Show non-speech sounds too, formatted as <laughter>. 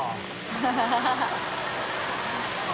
ハハハ <laughs>